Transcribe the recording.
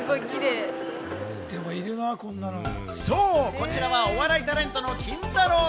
こちらは、お笑いタレントのキンタロー。